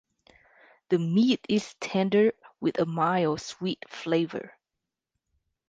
The meat is tender with a mild sweet flavor.